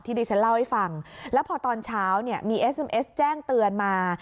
ดิฉันเล่าให้ฟังแล้วพอตอนเช้าเนี่ยมีเอสเอ็มเอสแจ้งเตือนมา